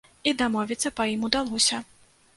І дамовіцца па ім удалося.